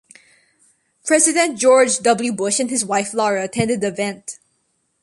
President George W. Bush and his wife Laura attended the event.